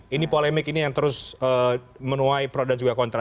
ini polemik ini yang terus menuai pro dan juga kontra